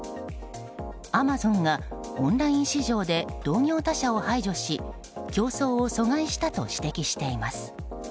アマゾンがオンライン市場で同業他社を排除し競争を阻害したと指摘しています。